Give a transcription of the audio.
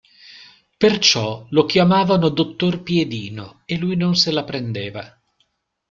Perciò lo chiamavano dottor piedino, e lui non se la prendeva